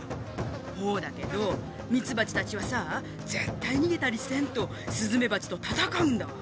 ほうだけどミツバチたちはさぁぜったいにげたりせんとスズメバチとたたかうんだわ。